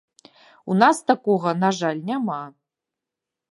У нас такога, на жаль, няма.